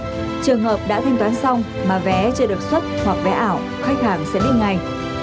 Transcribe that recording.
trong trường hợp đã thanh toán xong mà vé chưa được xuất hoặc vé ảo khách hàng sẽ đi ngay